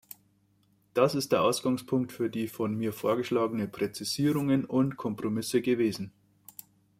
Das ist der Ausgangspunkt für die von mir vorgeschlagenen Präzisierungen und Kompromisse gewesen.